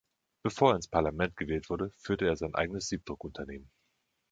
Bevor er ins Parlament gewählt wurde, führte er sein eigenes Siebdruckunternehmen.